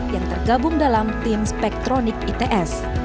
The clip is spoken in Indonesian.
yang tergabung dalam tim spektronik its